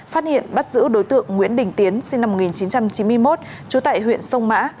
phát hiện bắt giữ đối tượng nguyễn đình tiến sinh năm một nghìn chín trăm chín mươi một trú tại huyện sông mã